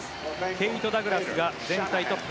ケイト・ダグラスが全体トップ。